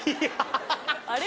あれ？